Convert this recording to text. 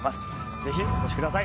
ぜひお越しください